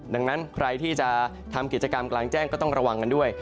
ดังนั้นใครที่จะทำกิจกรรมกลางแจ้งก็ต้องระวังกันด้วย